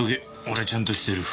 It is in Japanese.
俺はちゃんとしてる。